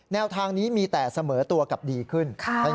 แนวทางนี้มีแต่เสมอตัวกับดีขึ้น